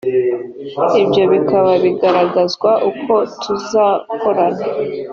ibyo bikaba bigaragazwa uko tuzakorana